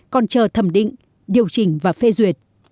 còn chờ thẩm định điều chỉnh và phê duyệt